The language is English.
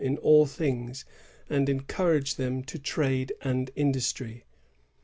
in all things, and encourage them to trade and industry.